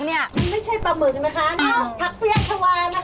มันไม่ใช่ปลาหมึกนะคะแต่ภักร์เพียบชาวานะคะ